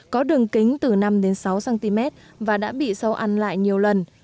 có đường kính từ năm đến sáu cm và đã bị sâu ăn lại nhiều lần